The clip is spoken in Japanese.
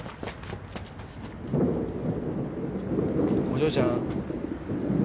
お嬢ちゃん。